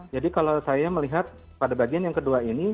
jadi kalau saya melihat pada bagian yang kedua ini